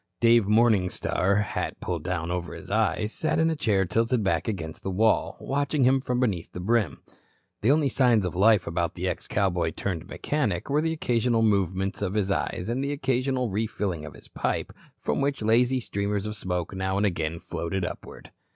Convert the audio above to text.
Dave Morningstar, hat pulled down over his eyes, sat in a chair tilted back against the wall, watching him from beneath the brim. The only signs of life about the ex cowboy turned mechanic were the occasional movements of the eyes, and the occasional refilling of his pipe, from which lazy streamers of smoke now and again floated upward.